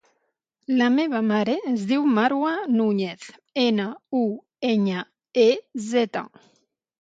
La meva mare es diu Marwa Nuñez: ena, u, enya, e, zeta.